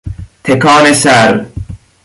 تکان سر